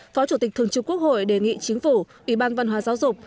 phó chủ tịch thường trực quốc hội đề nghị chính phủ ủy ban văn hóa giáo dục